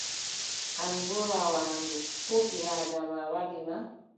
An boo rawaandu, ko ɓii-Aadama waɗi ma?